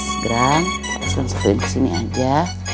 satu satunya kesini aja